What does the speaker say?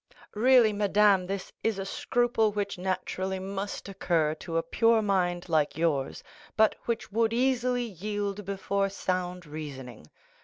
30075m "Really, madame, this is a scruple which naturally must occur to a pure mind like yours, but which would easily yield before sound reasoning.